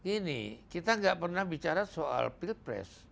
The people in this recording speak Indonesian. ini kita nggak pernah bicara soal pilpres